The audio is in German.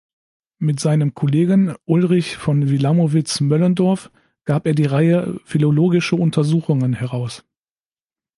Mit seinem Kollegen Ulrich von Wilamowitz-Moellendorff gab er die Reihe "Philologische Untersuchungen" heraus.